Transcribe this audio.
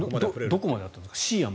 どこまでやったんですか？